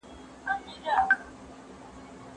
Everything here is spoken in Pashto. موږ به له کړکۍ څخه ډبره چاڼ کړو.